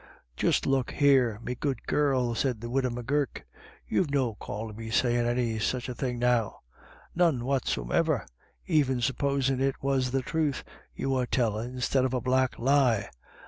* Just look here, me good girl," said the widow M'Gurk, u you've no call to be sayin' any such a thing now; none whatsomiver, even supposin' it was the truth you were tellin', instid of a black lie.